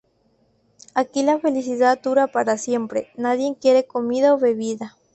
Aquí la felicidad dura para siempre, nadie quiere comida o bebida.